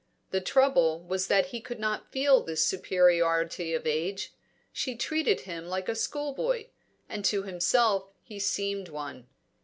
The trouble was that he could not feel this superiority of age; she treated him like a schoolboy, and to himself he seemed one.